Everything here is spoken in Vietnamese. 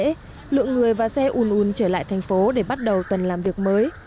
nếu như thế lượng người và xe ùn ùn trở lại tp hcm để bắt đầu tuần làm việc mới